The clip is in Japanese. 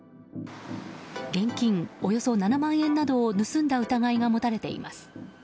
現金およそ７万円などを盗んだ疑いが持たれています。